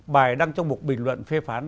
bài đăng trong một bình luận phê phán báo nhân dân